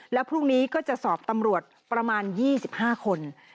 แล้วพรุ่งนี้ก็จะสอบตำรวจประมาณ๒๕คน